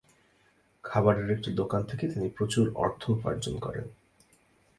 খাবারের একটি দোকান থেকে তিনি প্রচুর অর্থ উপার্জন করেন।